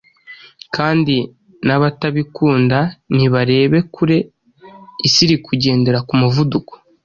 kandi n’abatabikunda nibarebe kure isi iri kugendera ku muvuduko